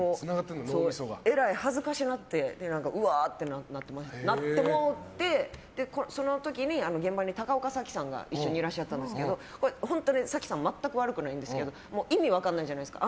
えらい恥ずかしくなってうわーってなってもうてその時に、現場に高岡早紀さんが一緒にいらっしゃったんですけど早紀さん全く悪くないんですけど意味分からないじゃないですか。